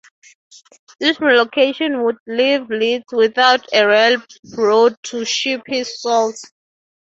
This relocation would leave Leete without a railroad to ship his salt.